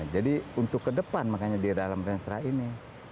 jadi untuk ke depan makanya di dalam rencana ini